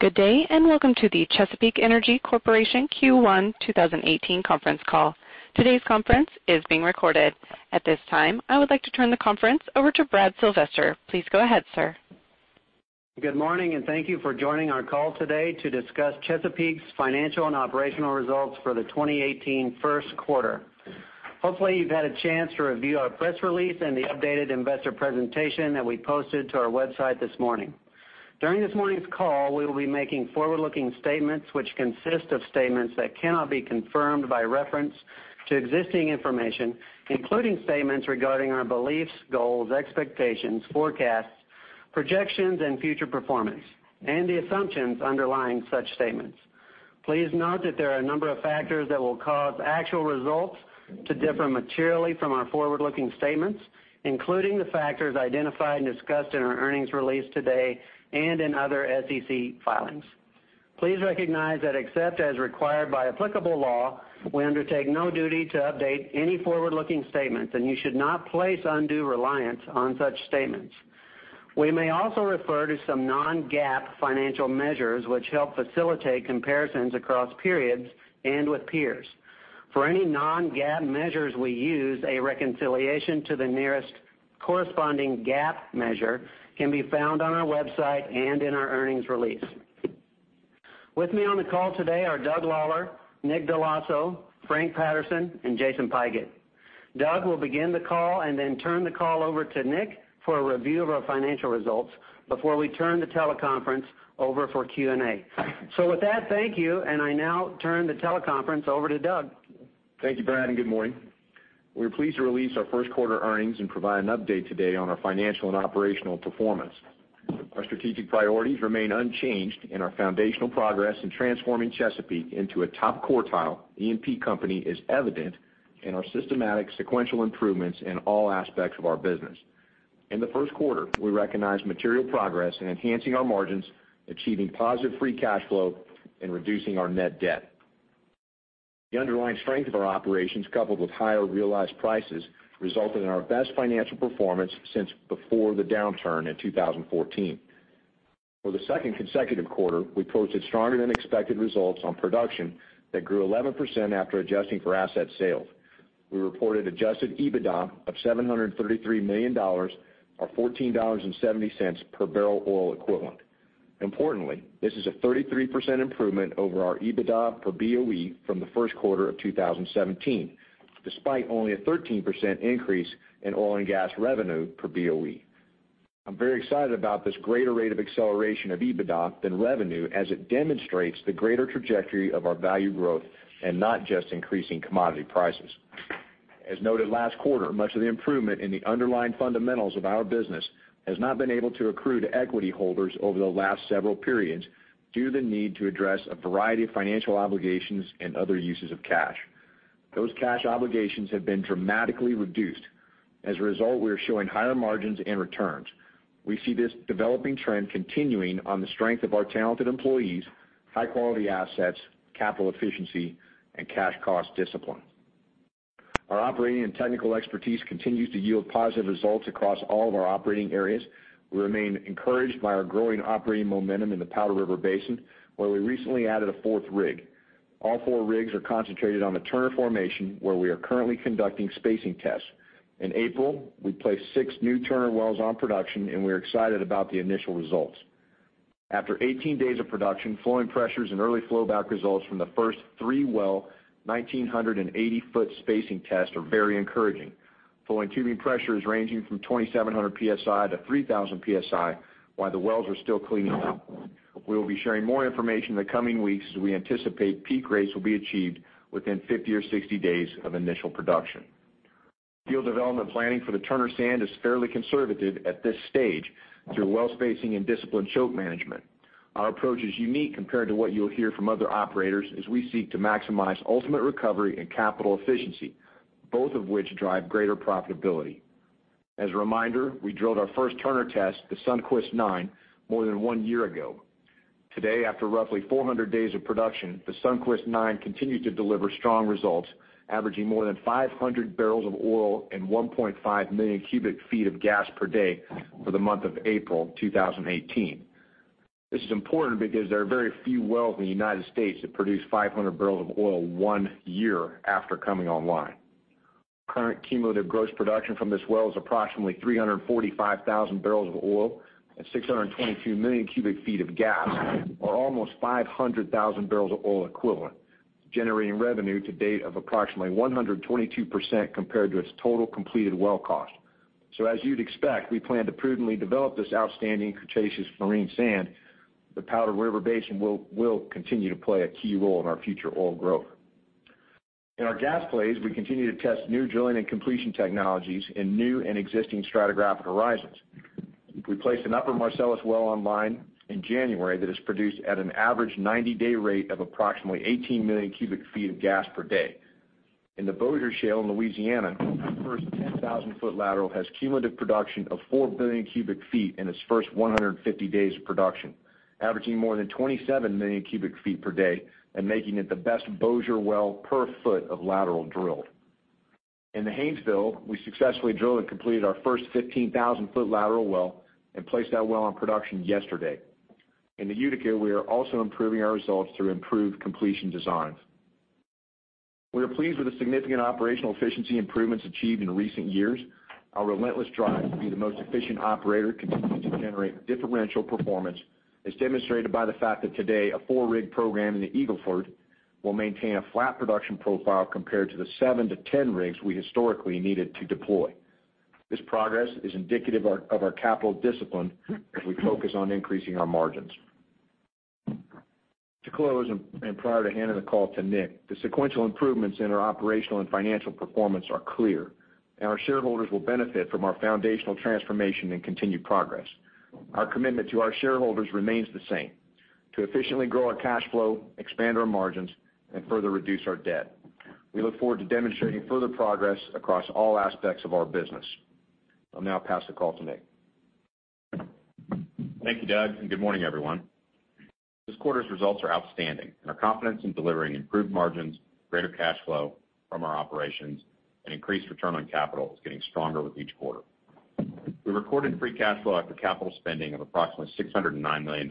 Good day, and welcome to the Chesapeake Energy Corporation Q1 2018 conference call. Today's conference is being recorded. At this time, I would like to turn the conference over to Brad Sylvester. Please go ahead, sir. Good morning, thank you for joining our call today to discuss Chesapeake's financial and operational results for the 2018 first quarter. Hopefully, you've had a chance to review our press release and the updated investor presentation that we posted to our website this morning. During this morning's call, we will be making forward-looking statements which consist of statements that cannot be confirmed by reference to existing information, including statements regarding our beliefs, goals, expectations, forecasts, projections, and future performance, and the assumptions underlying such statements. Please note that there are a number of factors that will cause actual results to differ materially from our forward-looking statements, including the factors identified and discussed in our earnings release today and in other SEC filings. Please recognize that except as required by applicable law, we undertake no duty to update any forward-looking statements, you should not place undue reliance on such statements. We may also refer to some non-GAAP financial measures which help facilitate comparisons across periods and with peers. For any non-GAAP measures we use, a reconciliation to the nearest corresponding GAAP measure can be found on our website and in our earnings release. With me on the call today are Doug Lawler, Nick Dell'Osso, Frank Patterson, and Jason Pigott. Doug will begin the call and then turn the call over to Nick for a review of our financial results before we turn the teleconference over for Q&A. With that, thank you, I now turn the teleconference over to Doug. Thank you, Brad, good morning. We're pleased to release our first quarter earnings and provide an update today on our financial and operational performance. Our strategic priorities remain unchanged, our foundational progress in transforming Chesapeake into a top-quartile E&P company is evident in our systematic sequential improvements in all aspects of our business. In the first quarter, we recognized material progress in enhancing our margins, achieving positive free cash flow, reducing our net debt. The underlying strength of our operations, coupled with higher realized prices, resulted in our best financial performance since before the downturn in 2014. For the second consecutive quarter, we posted stronger-than-expected results on production that grew 11% after adjusting for asset sales. We reported adjusted EBITDA of $733 million, or $14.70 per barrel oil equivalent. Importantly, this is a 33% improvement over our EBITDA per BOE from the first quarter of 2017, despite only a 13% increase in oil and gas revenue per BOE. I'm very excited about this greater rate of acceleration of EBITDA than revenue as it demonstrates the greater trajectory of our value growth and not just increasing commodity prices. As noted last quarter, much of the improvement in the underlying fundamentals of our business has not been able to accrue to equity holders over the last several periods due to the need to address a variety of financial obligations and other uses of cash. Those cash obligations have been dramatically reduced. As a result, we are showing higher margins and returns. We see this developing trend continuing on the strength of our talented employees, high-quality assets, capital efficiency, and cash cost discipline. Our operating and technical expertise continues to yield positive results across all of our operating areas. We remain encouraged by our growing operating momentum in the Powder River Basin, where we recently added a fourth rig. All four rigs are concentrated on the Turner Formation, where we are currently conducting spacing tests. In April, we placed six new Turner wells on production, and we're excited about the initial results. After 18 days of production, flowing pressures and early flowback results from the first three-well, 1,980-foot spacing tests are very encouraging. Flowing tubing pressure is ranging from 2,700 psi to 3,000 psi while the wells are still cleaning up. We will be sharing more information in the coming weeks as we anticipate peak rates will be achieved within 50 or 60 days of initial production. Field development planning for the Turner Sand is fairly conservative at this stage through well spacing and disciplined choke management. Our approach is unique compared to what you'll hear from other operators as we seek to maximize ultimate recovery and capital efficiency, both of which drive greater profitability. As a reminder, we drilled our first Turner test, the Sundquist 9, more than one year ago. Today, after roughly 400 days of production, the Sundquist 9 continued to deliver strong results, averaging more than 500 barrels of oil and 1.5 million cubic feet of gas per day for the month of April 2018. This is important because there are very few wells in the United States that produce 500 barrels of oil one year after coming online. Current cumulative gross production from this well is approximately 345,000 barrels of oil and 622 million cubic feet of gas, or almost 500,000 barrels of oil equivalent, generating revenue to date of approximately 122% compared to its total completed well cost. As you'd expect, we plan to prudently develop this outstanding Cretaceous marine sand. The Powder River Basin will continue to play a key role in our future oil growth. In our gas plays, we continue to test new drilling and completion technologies in new and existing stratigraphic horizons. We placed an Upper Marcellus well online in January that has produced at an average 90-day rate of approximately 18 million cubic feet of gas per day. In the Bossier Shale in Louisiana, our first 10,000-foot lateral has cumulative production of 4 billion cubic feet in its first 150 days of production, averaging more than 27 million cubic feet per day and making it the best Bossier well per foot of lateral drilled. In the Haynesville, we successfully drilled and completed our first 15,000-foot lateral well and placed that well on production yesterday. In the Utica, we are also improving our results through improved completion designs. We are pleased with the significant operational efficiency improvements achieved in recent years. Our relentless drive to be the most efficient operator continues to generate differential performance, as demonstrated by the fact that today a 4-rig program in the Eagle Ford will maintain a flat production profile compared to the 7 to 10 rigs we historically needed to deploy. This progress is indicative of our capital discipline as we focus on increasing our margins. To close, prior to handing the call to Nick, the sequential improvements in our operational and financial performance are clear, and our shareholders will benefit from our foundational transformation and continued progress. Our commitment to our shareholders remains the same: to efficiently grow our cash flow, expand our margins, and further reduce our debt. We look forward to demonstrating further progress across all aspects of our business. I'll now pass the call to Nick. Thank you, Doug, and good morning, everyone. This quarter's results are outstanding, and our confidence in delivering improved margins, greater cash flow from our operations, and increased return on capital is getting stronger with each quarter. We recorded free cash flow after capital spending of approximately $609 million,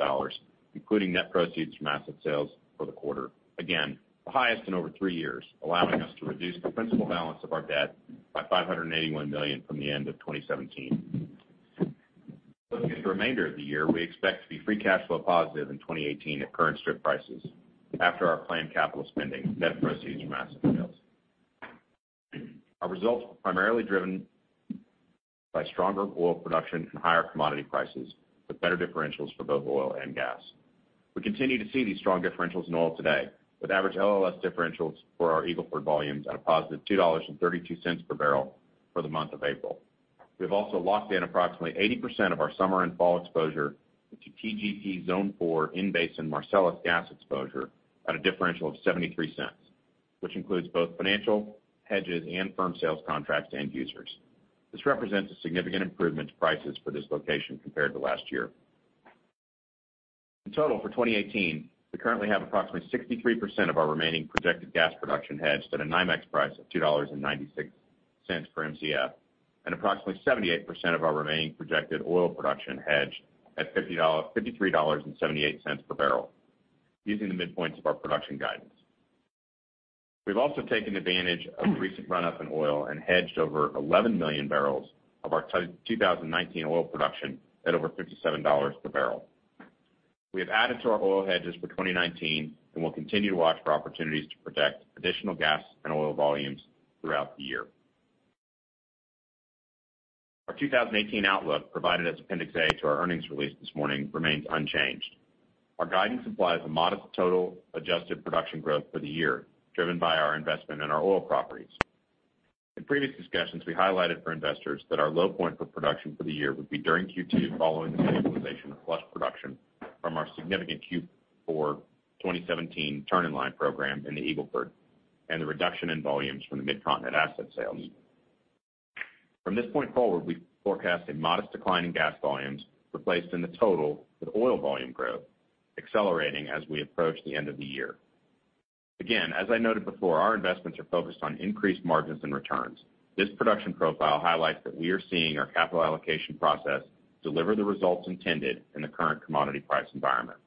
including net proceeds from asset sales for the quarter. Again, the highest in over 3 years, allowing us to reduce the principal balance of our debt by $581 million from the end of 2017. Looking at the remainder of the year, we expect to be free cash flow positive in 2018 at current strip prices after our planned capital spending, net proceeds from asset sales. Our results were primarily driven by stronger oil production and higher commodity prices, with better differentials for both oil and gas. We continue to see these strong differentials in oil today, with average LLS differentials for our Eagle Ford volumes at a positive $2.32 per barrel for the month of April. We have also locked in approximately 80% of our summer and fall exposure to TGP Zone 4 Marcellus gas exposure at a differential of $0.73, which includes both financial hedges and firm sales contracts to end users. This represents a significant improvement to prices for this location compared to last year. In total for 2018, we currently have approximately 63% of our remaining projected gas production hedged at a NYMEX price of $2.96 per Mcf and approximately 78% of our remaining projected oil production hedged at $53.78 per barrel, using the midpoints of our production guidance. We've also taken advantage of recent runoff in oil and hedged over 11 million barrels of our 2019 oil production at over $57 per barrel. We have added to our oil hedges for 2019 and will continue to watch for opportunities to protect additional gas and oil volumes throughout the year. Our 2018 outlook, provided as Appendix A to our earnings release this morning, remains unchanged. Our guidance implies a modest total adjusted production growth for the year, driven by our investment in our oil properties. In previous discussions, we highlighted for investors that our low point for production for the year would be during Q2 following the stabilization of flush production from our significant Q4 2017 turn-in-line program in the Eagle Ford and the reduction in volumes from the Mid-Continent asset sale. From this point forward, we forecast a modest decline in gas volumes replaced in the total with oil volume growth, accelerating as we approach the end of the year. Again, as I noted before, our investments are focused on increased margins and returns. This production profile highlights that we are seeing our capital allocation process deliver the results intended in the current commodity price environment.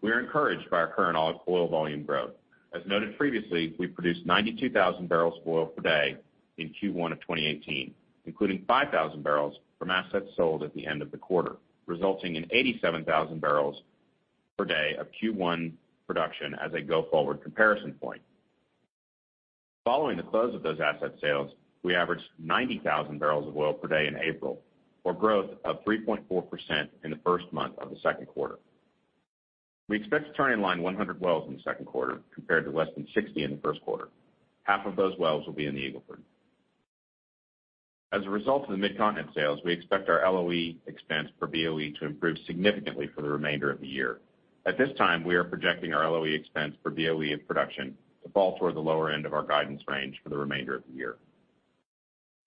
We are encouraged by our current oil volume growth. As noted previously, we produced 92,000 barrels of oil per day in Q1 of 2018, including 5,000 barrels from assets sold at the end of the quarter, resulting in 87,000 barrels per day of Q1 production as a go-forward comparison point. Following the close of those asset sales, we averaged 90,000 barrels of oil per day in April or growth of 3.4% in the first month of the second quarter. We expect to turn in line 100 wells in the second quarter compared to less than 60 in the first quarter. Half of those wells will be in the Eagle Ford. As a result of the Mid-Continent sales, we expect our LOE expense per BOE to improve significantly for the remainder of the year. At this time, we are projecting our LOE expense per BOE of production to fall toward the lower end of our guidance range for the remainder of the year.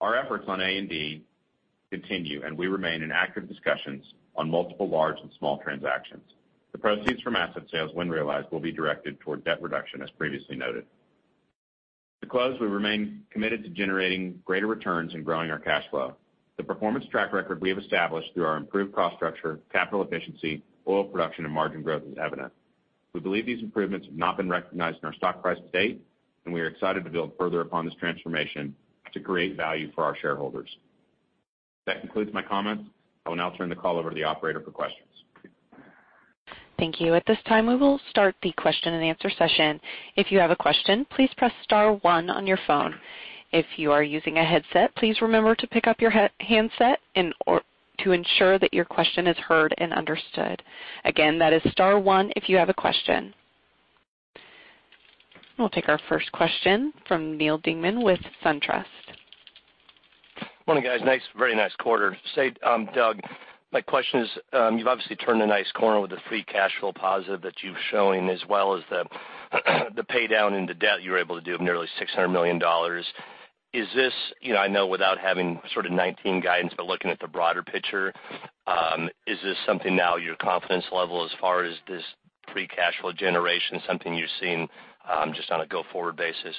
Our efforts on A&D continue, and we remain in active discussions on multiple large and small transactions. The proceeds from asset sales, when realized, will be directed toward debt reduction, as previously noted. To close, we remain committed to generating greater returns and growing our cash flow. The performance track record we have established through our improved cost structure, capital efficiency, oil production, and margin growth is evident. We believe these improvements have not been recognized in our stock price to date, and we are excited to build further upon this transformation to create value for our shareholders. That concludes my comments. I will now turn the call over to the operator for questions. Thank you. At this time, we will start the question-and-answer session. If you have a question, please press star one on your phone. If you are using a headset, please remember to pick up your handset to ensure that your question is heard and understood. Again, that is star one if you have a question. We'll take our first question from Neal Dingmann with SunTrust. Morning, guys. Very nice quarter. Say, Doug, my question is, you've obviously turned a nice corner with the free cash flow positive that you've shown, as well as the paydown in the debt you were able to do of nearly $600 million. I know without having sort of 2019 guidance, but looking at the broader picture, is this something now your confidence level as far as this free cash flow generation, something you're seeing, just on a go-forward basis?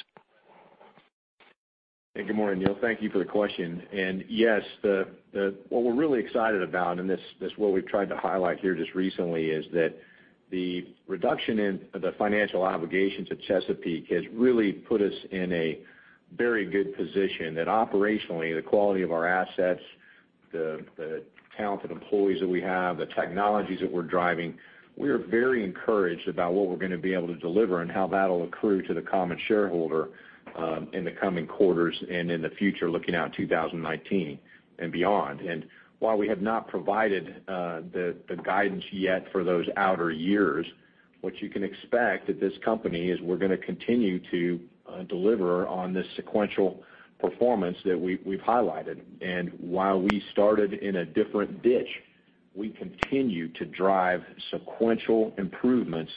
Hey, good morning, Neal. Thank you for the question. Yes, what we're really excited about, and this is what we've tried to highlight here just recently, is that the reduction in the financial obligations at Chesapeake has really put us in a very good position. That operationally, the quality of our assets, the talented employees that we have, the technologies that we're driving, we are very encouraged about what we're going to be able to deliver and how that'll accrue to the common shareholder, in the coming quarters and in the future looking out 2019 and beyond. While we have not provided the guidance yet for those outer years, what you can expect at this company is we're going to continue to deliver on this sequential performance that we've highlighted. While we started in a different ditch, we continue to drive sequential improvements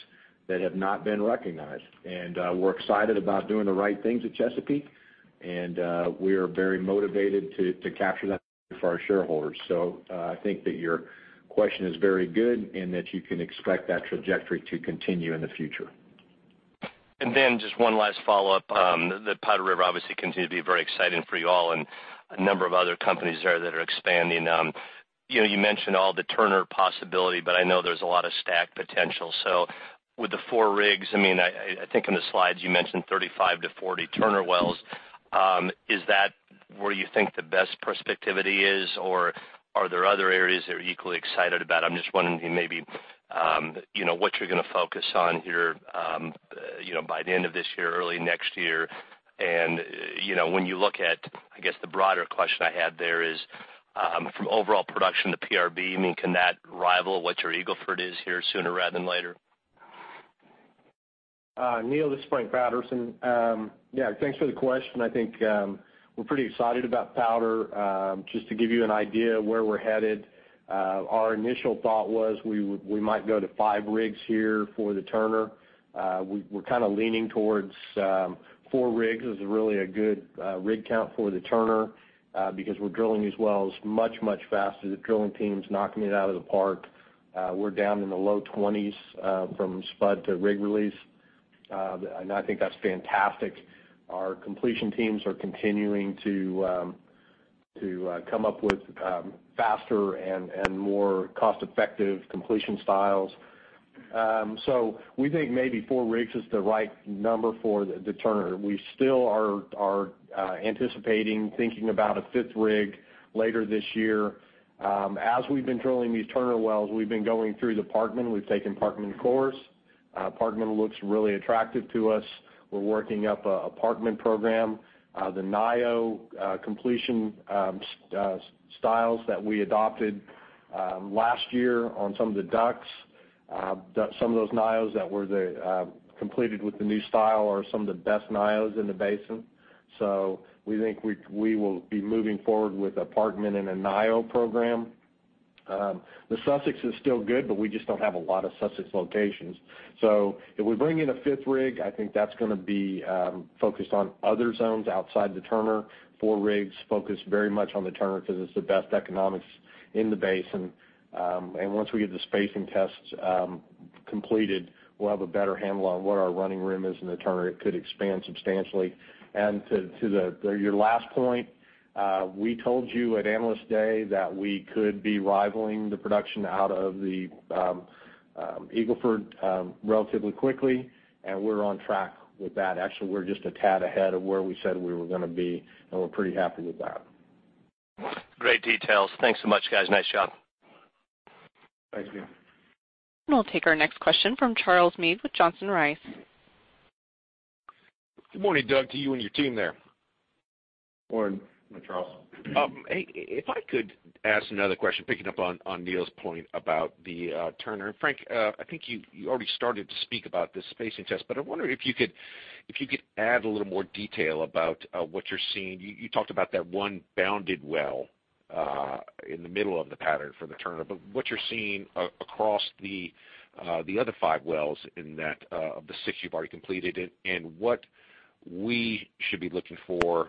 that have not been recognized. We're excited about doing the right things at Chesapeake, and we are very motivated to capture that for our shareholders. I think that your question is very good and that you can expect that trajectory to continue in the future. Just one last follow-up. The Powder River obviously continues to be very exciting for you all and a number of other companies there that are expanding. You mentioned all the Turner possibility, I know there's a lot of STACK potential. With the four rigs, I think in the slides you mentioned 35-40 Turner wells. Is that where you think the best prospectivity is, or are there other areas that you're equally excited about? I'm just wondering maybe, what you're going to focus on here by the end of this year, early next year. When you look at, I guess the broader question I had there is, from overall production to PRB, can that rival what your Eagle Ford is here sooner rather than later? Neal, this is Frank Patterson. Thanks for the question. I think we're pretty excited about Powder. Just to give you an idea of where we're headed. Our initial thought was we might go to five rigs here for the Turner. We're kind of leaning towards four rigs as really a good rig count for the Turner, because we're drilling these wells much faster. The drilling team's knocking it out of the park. We're down in the low 20s from spud to rig release. I think that's fantastic. Our completion teams are continuing to come up with faster and more cost-effective completion styles. We think maybe four rigs is the right number for the Turner. We still are anticipating thinking about a fifth rig later this year. As we've been drilling these Turner wells, we've been going through the Parkman. We've taken Parkman cores. Parkman looks really attractive to us. We're working up a Parkman program. The Niobrara completion styles that we adopted last year on some of the DUCs, some of those Niobraras that were completed with the new style are some of the best Niobraras in the basin. We think we will be moving forward with a Parkman and a Niobrara program. The Sussex is still good, we just don't have a lot of Sussex locations. If we bring in a fifth rig, I think that's going to be focused on other zones outside the Turner. Four rigs focused very much on the Turner because it's the best economics in the basin. Once we get the spacing tests completed, we'll have a better handle on what our running room is in the Turner. It could expand substantially. To your last point, we told you at Analyst Day that we could be rivaling the production out of the Eagle Ford relatively quickly, we're on track with that. Actually, we're just a tad ahead of where we said we were going to be, we're pretty happy with that. Great details. Thanks so much, guys. Nice job. Thanks, Neal. We'll take our next question from Charles Meade with Johnson Rice. Good morning, Doug, to you and your team there. Morning, Charles. Hey, if I could ask another question, picking up on Neal's point about the Turner. Frank, I think you already started to speak about this spacing test, but I wonder if you could add a little more detail about what you're seeing. You talked about that one bounded well in the middle of the pattern for the Turner, but what you're seeing across the other five wells in that of the six you've already completed, and what we should be looking for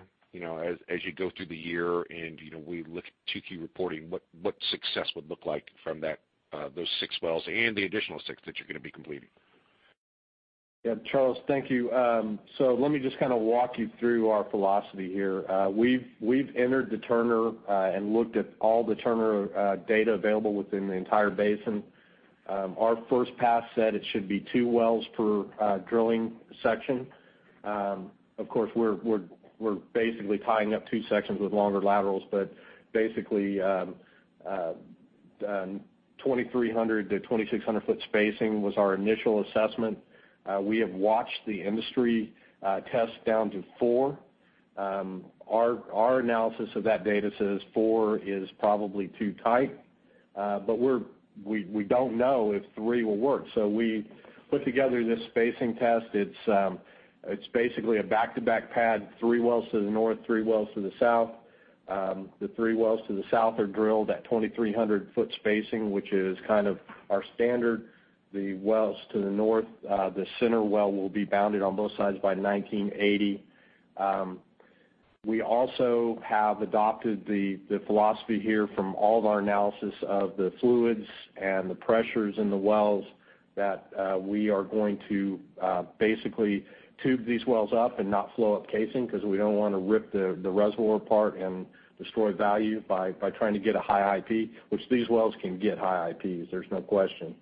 as you go through the year and we look to you reporting what success would look like from those six wells and the additional six that you're going to be completing. Yeah, Charles, thank you. Let me just kind of walk you through our philosophy here. We've entered the Turner and looked at all the Turner data available within the entire basin. Our first pass said it should be two wells per drilling section. Of course, we're basically tying up two sections with longer laterals, but basically, 2,300-2,600 foot spacing was our initial assessment. We have watched the industry test down to four. Our analysis of that data says four is probably too tight. We don't know if three will work. We put together this spacing test. It's basically a back-to-back pad, three wells to the north, three wells to the south. The three wells to the south are drilled at 2,300-foot spacing, which is kind of our standard. The wells to the north, the center well will be bounded on both sides by 1980. We also have adopted the philosophy here from all of our analysis of the fluids and the pressures in the wells that we are going to basically tube these wells up and not flow up casing, because we don't want to rip the reservoir apart and destroy value by trying to get a high IP, which these wells can get high IPs, there's no question.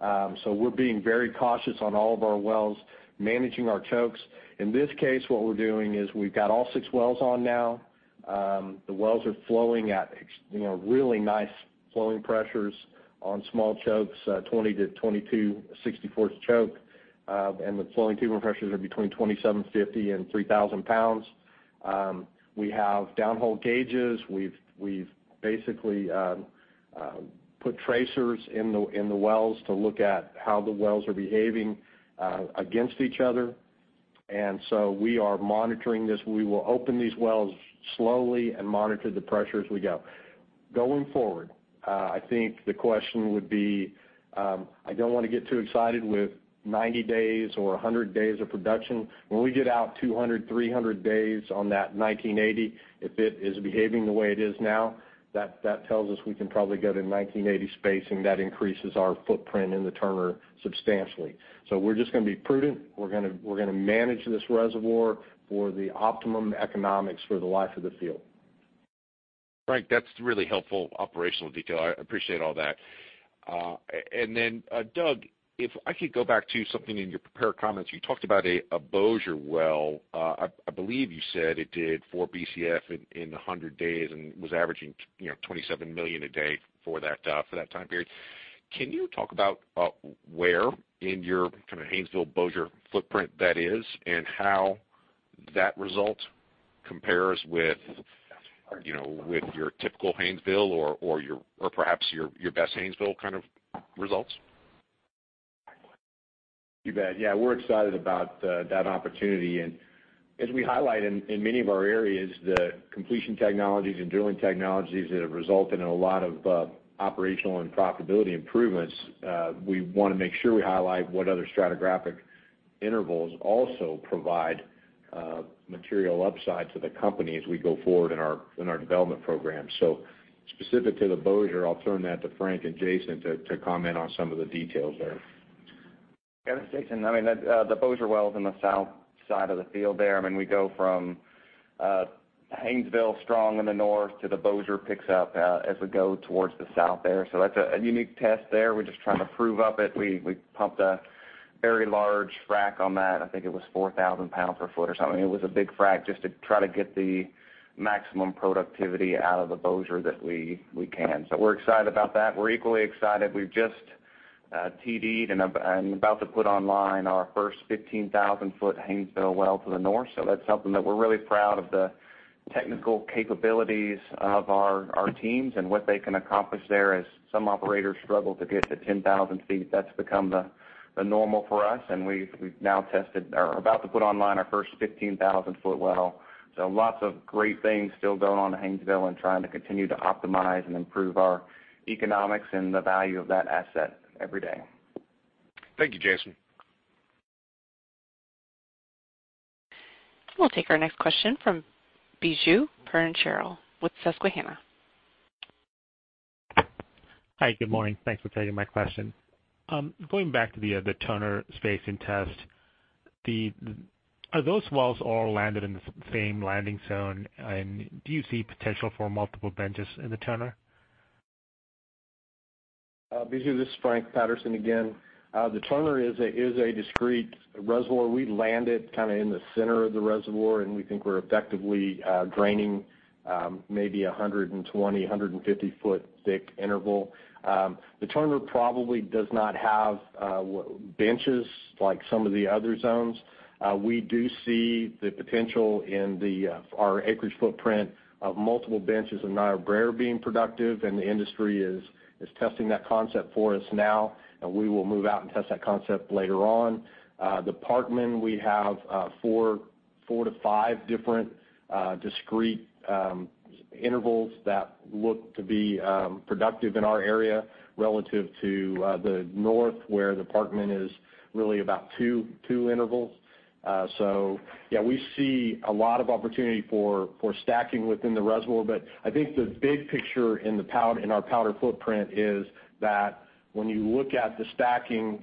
We're being very cautious on all of our wells, managing our chokes. In this case, what we're doing is we've got all six wells on now. The wells are flowing at really nice flowing pressures on small chokes, 20-22 64th choke. The flowing tubing pressures are between 2,750 and 3,000 pounds. We have downhole gauges. We've basically put tracers in the wells to look at how the wells are behaving against each other. We are monitoring this. We will open these wells slowly and monitor the pressure as we go. I think the question would be, I don't want to get too excited with 90 days or 100 days of production. When we get out 200, 300 days on that 1980, if it is behaving the way it is now, that tells us we can probably go to 1980 spacing. That increases our footprint in the Turner substantially. We're just going to be prudent. We're going to manage this reservoir for the optimum economics for the life of the field. Frank, that's really helpful operational detail. I appreciate all that. Doug, if I could go back to something in your prepared comments. You talked about a Bossier well, I believe you said it did 4 Bcf in 150 days, and was averaging 27 million a day for that time period. Can you talk about where in your kind of Haynesville Bossier footprint that is, and how that result compares with your typical Haynesville or perhaps your best Haynesville kind of results? You bet. Yeah, we're excited about that opportunity. As we highlight in many of our areas, the completion technologies and drilling technologies that have resulted in a lot of operational and profitability improvements, we want to make sure we highlight what other stratigraphic intervals also provide material upside to the company as we go forward in our development program. Specific to the Bossier, I'll turn that to Frank and Jason to comment on some of the details there. Yeah, this is Jason. The Bossier well's in the south side of the field there. We go from Haynesville strong in the north to the Bossier picks up as we go towards the south there. That's a unique test there. We're just trying to prove up it. We pumped a very large frack on that. I think it was 4,000 pound per foot or something. It was a big frack just to try to get the maximum productivity out of the Bossier that we can. We're excited about that. We're equally excited, we've just TD'd and about to put online our first 15,000-foot Haynesville well to the north. That's something that we're really proud of the technical capabilities of our teams and what they can accomplish there. As some operators struggle to get to 10,000 feet, that's become the normal for us, and we've now tested or are about to put online our first 15,000-foot well. Lots of great things still going on in Haynesville and trying to continue to optimize and improve our economics and the value of that asset every day. Thank you, Jason. We'll take our next question from Biju Perincheril with Susquehanna. Hi, good morning. Thanks for taking my question. Going back to the Turner spacing test, are those wells all landed in the same landing zone? Do you see potential for multiple benches in the Turner? Biju, this is Frank Patterson again. The Turner is a discrete reservoir. We landed kind of in the center of the reservoir, and we think we're effectively draining maybe 120, 150 foot thick interval. The Turner probably does not have benches like some of the other zones. We do see the potential in our acreage footprint of multiple benches of Niobrara being productive, and the industry is testing that concept for us now, and we will move out and test that concept later on. The Parkman, we have four to five different discrete intervals that look to be productive in our area relative to the north, where the Parkman is really about two intervals. Yeah, we see a lot of opportunity for stacking within the reservoir. I think the big picture in our Powder footprint is that when you look at the stacking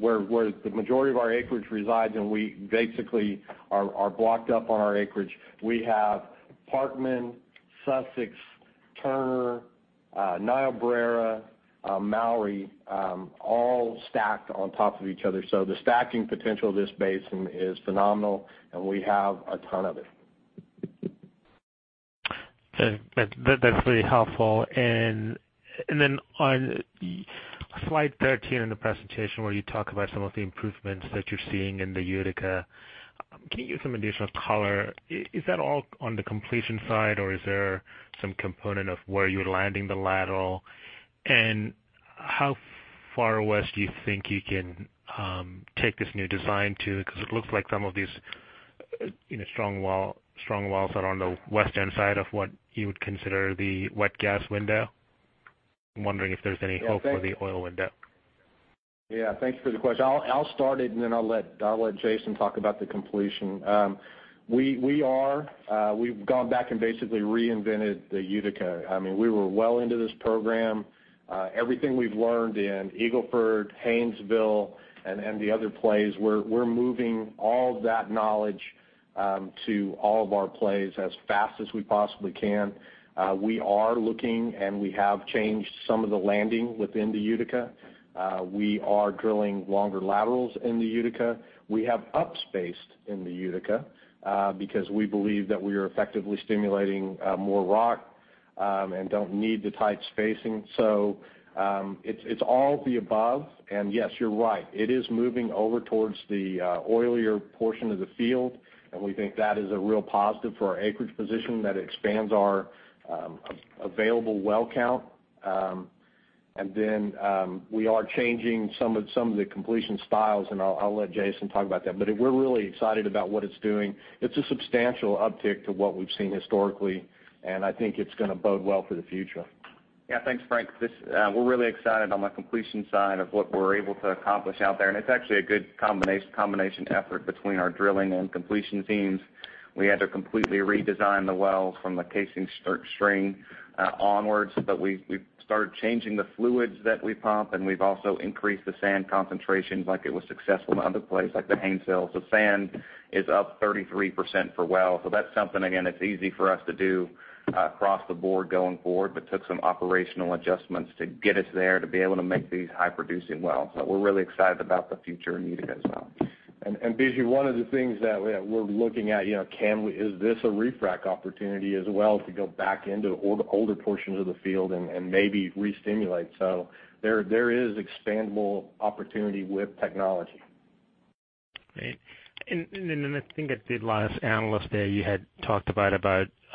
where the majority of our acreage resides, and we basically are blocked up on our acreage. We have Parkman, Sussex, Turner, Niobrara, Mowry, all stacked on top of each other. The stacking potential of this basin is phenomenal, and we have a ton of it. That's really helpful. Then on slide 13 in the presentation where you talk about some of the improvements that you're seeing in the Utica, can you give some additional color? Is that all on the completion side, or is there some component of where you're landing the lateral? How far west do you think you can take this new design to? Because it looks like some of these strong wells are on the west end side of what you would consider the wet gas window. I'm wondering if there's any hope for the oil window. Yeah, thanks for the question. I'll start it, and then I'll let Jason talk about the completion. We've gone back and basically reinvented the Utica. We were well into this program. Everything we've learned in Eagle Ford, Haynesville, and the other plays, we're moving all of that knowledge to all of our plays as fast as we possibly can. We are looking, and we have changed some of the landing within the Utica. We are drilling longer laterals in the Utica. We have up-spaced in the Utica, because we believe that we are effectively stimulating more rock, and don't need the tight spacing. It's all the above. Yes, you're right. It is moving over towards the oilier portion of the field, and we think that is a real positive for our acreage position. That expands our available well count. We are changing some of the completion styles, I'll let Jason talk about that. We're really excited about what it's doing. It's a substantial uptick to what we've seen historically, I think it's going to bode well for the future. Yeah. Thanks, Frank. We're really excited on the completion side of what we're able to accomplish out there, it's actually a good combination effort between our drilling and completion teams. We had to completely redesign the wells from the casing string onwards, we've started changing the fluids that we pump, we've also increased the sand concentrations like it was successful in other plays like the Haynesville. Sand is up 33% per well. That's something, again, that's easy for us to do across the board going forward, took some operational adjustments to get us there to be able to make these high-producing wells. We're really excited about the future in Utica as well. Biju, one of the things that we're looking at, is this a refrac opportunity as well to go back into older portions of the field and maybe restimulate? There is expandable opportunity with technology. Great. I think at the last Analyst Day, you had talked about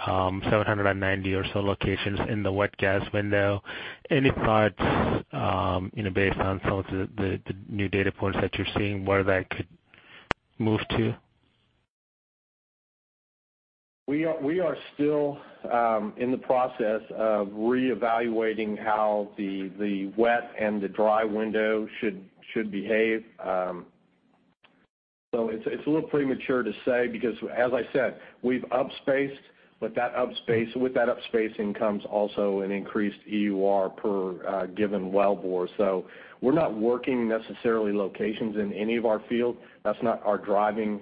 790 or so locations in the wet gas window. Any thoughts, based on some of the new data points that you're seeing, where that could move to? We are still in the process of reevaluating how the wet and the dry window should behave. It's a little premature to say, because as I said, we've up-spaced. With that up-spacing comes also an increased EUR per given well bore. We're not working necessarily locations in any of our fields. That's not our driver.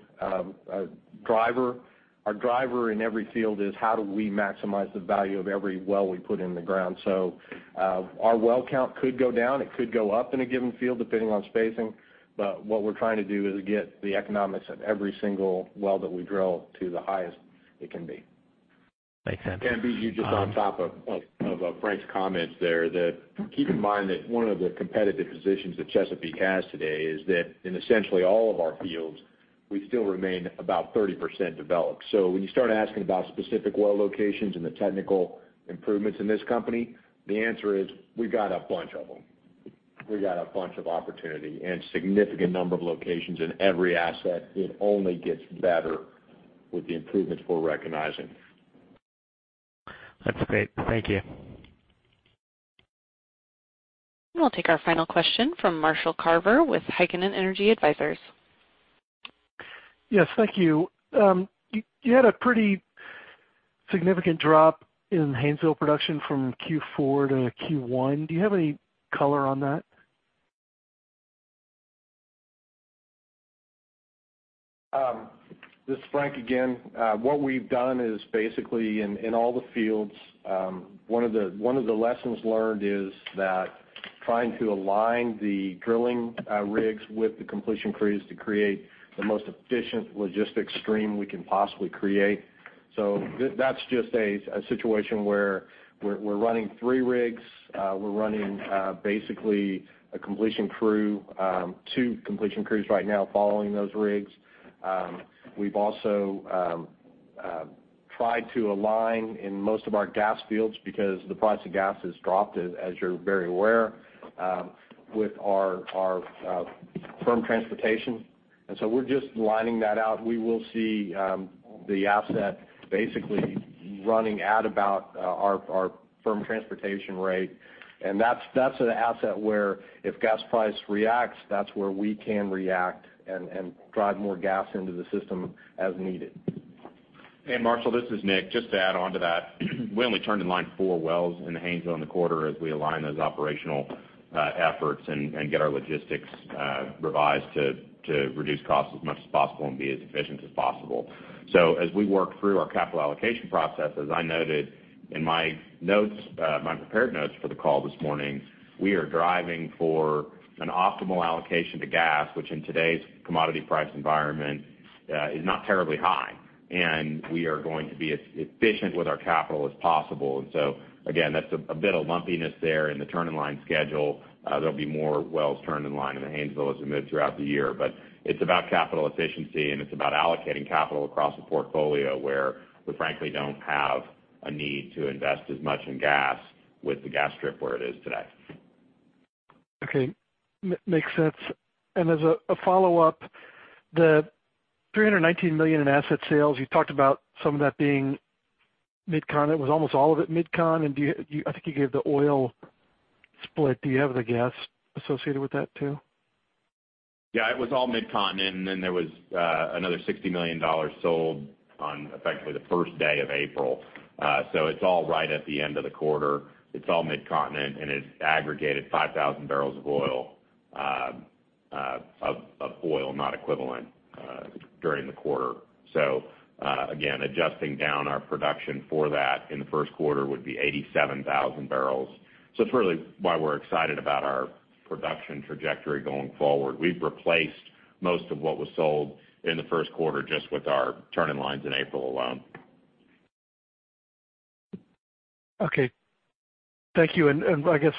Our driver in every field is how do we maximize the value of every well we put in the ground. Our well count could go down. It could go up in a given field, depending on spacing. What we're trying to do is get the economics of every single well that we drill to the highest it can be. Makes sense. Biju, just on top of Frank's comments there, that keep in mind that one of the competitive positions that Chesapeake has today is that in essentially all of our fields, we still remain about 30% developed. When you start asking about specific well locations and the technical improvements in this company, the answer is we've got a bunch of them. We've got a bunch of opportunity and significant number of locations in every asset. It only gets better with the improvements we're recognizing. That's great. Thank you. We'll take our final question from Marshall Carver with Heikkinen Energy Advisors. Yes, thank you. You had a pretty significant drop in Haynesville production from Q4 to Q1. Do you have any color on that? This is Frank again. What we've done is basically in all the fields, one of the lessons learned is that trying to align the drilling rigs with the completion crews to create the most efficient logistics stream we can possibly create. That's just a situation where we're running three rigs. We're running basically a completion crew, two completion crews right now following those rigs. We've also tried to align in most of our gas fields because the price of gas has dropped, as you're very aware, with our firm transportation. We're just lining that out. We will see the asset basically running at about our firm transportation rate. That's an asset where if gas price reacts, that's where we can react and drive more gas into the system as needed. Hey, Marshall, this is Nick. Just to add onto that, we only turned in line four wells in the Haynesville in the quarter as we align those operational efforts and get our logistics revised to reduce costs as much as possible and be as efficient as possible. As we work through our capital allocation processes, I noted in my prepared notes for the call this morning, we are driving for an optimal allocation to gas, which in today's commodity price environment, is not terribly high. We are going to be as efficient with our capital as possible. Again, that's a bit of lumpiness there in the turn-in-line schedule. There'll be more wells turned in line in the Haynesville as we move throughout the year. It's about capital efficiency, and it's about allocating capital across a portfolio where we frankly don't have a need to invest as much in gas with the gas strip where it is today. Okay. Makes sense. As a follow-up, the $319 million in asset sales, you talked about some of that being Mid-Continent, was almost all of it Mid-Con? I think you gave the oil split. Do you have the gas associated with that too? Yeah, it was all Mid-Continent, and then there was another $60 million sold on effectively the first day of April. It's all right at the end of the quarter. It's all Mid-Continent, and it aggregated 5,000 barrels of oil, not equivalent, during the quarter. Again, adjusting down our production for that in the first quarter would be 87,000 barrels. It's really why we're excited about our production trajectory going forward. We've replaced most of what was sold in the first quarter just with our turning lines in April alone. Okay. Thank you. I guess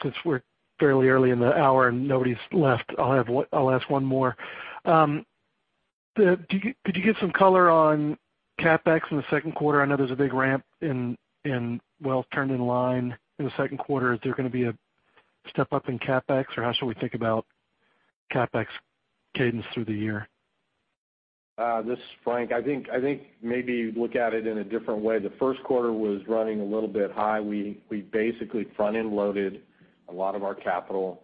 since we're fairly early in the hour and nobody's left, I'll ask one more. Could you give some color on CapEx in the second quarter? I know there's a big ramp in well turn in line in the second quarter. Is there going to be a step up in CapEx, or how should we think about CapEx cadence through the year? This is Frank. I think maybe look at it in a different way. The first quarter was running a little bit high. We basically front-end loaded a lot of our capital.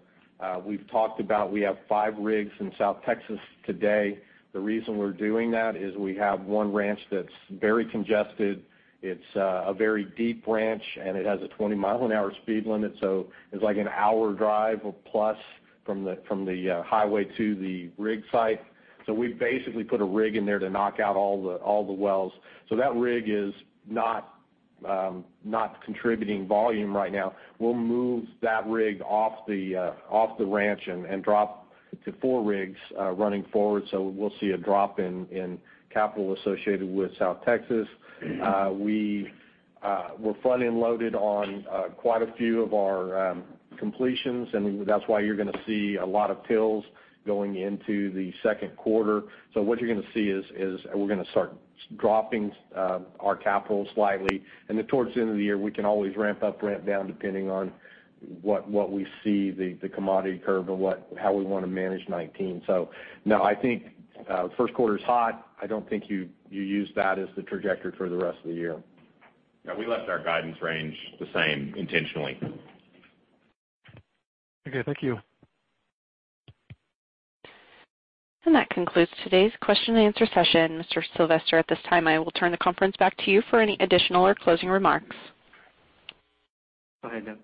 We have five rigs in South Texas today. The reason we are doing that is we have one ranch that is very congested. It is a very deep ranch, and it has a 20-mile-an-hour speed limit. It is like an hour drive or plus from the highway to the rig site. We basically put a rig in there to knock out all the wells. That rig is not contributing volume right now. We will move that rig off the ranch and drop to four rigs running forward. We will see a drop in capital associated with South Texas. We are front-end loaded on quite a few of our completions, and that is why you are going to see a lot of TILs going into the second quarter. What you are going to see is we are going to start dropping our capital slightly. Towards the end of the year, we can always ramp up, ramp down, depending on what we see the commodity curve and how we want to manage 2019. No, I think, first quarter is hot. I do not think you use that as the trajectory for the rest of the year. Yeah, we left our guidance range the same intentionally. Okay. Thank you. That concludes today's question and answer session. Mr. Sylvester, at this time, I will turn the conference back to you for any additional or closing remarks. Go ahead, Doug.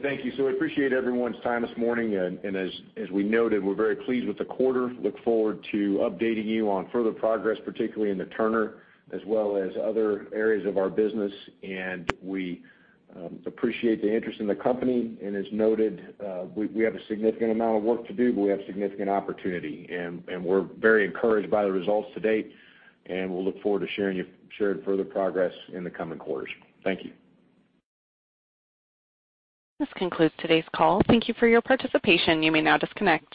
Thank you. We appreciate everyone's time this morning. As we noted, we're very pleased with the quarter. Look forward to updating you on further progress, particularly in the Turner as well as other areas of our business. We appreciate the interest in the company. As noted, we have a significant amount of work to do, but we have significant opportunity. We're very encouraged by the results to date, and we'll look forward to sharing further progress in the coming quarters. Thank you. This concludes today's call. Thank you for your participation. You may now disconnect.